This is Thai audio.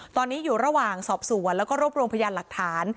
ตอนนี้อยู่ระหว่างสอบสวนแล้วก็รวบรวมพยานหลักฐาน